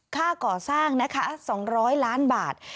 ค่าก่อสร้างนะคะ๒๐๐ล้านบาท